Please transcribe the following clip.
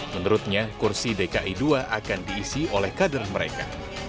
menurutnya kursi dki dua akan diisi oleh kader mereka